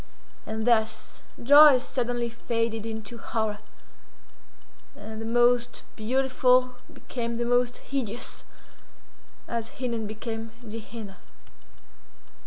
And thus, joy suddenly faded into horror, and the most beautiful became the most hideous, as Hinnon became Ge Henna.